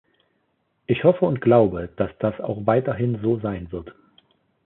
Ich hoffe und glaube, dass das auch weiterhin so sein wird.